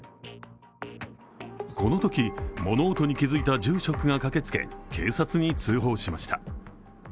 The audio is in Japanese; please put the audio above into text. このとき物音に気付いた住職が駆けつけ、警察に通報しました。